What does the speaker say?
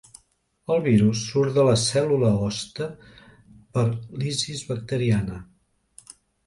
El virus surt de la cèl·lula hoste per lisis bacteriana.